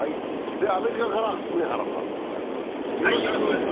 で、アメリカから上原さんでございます。